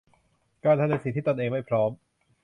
การทำในสิ่งที่ตนเองไม่พร้อม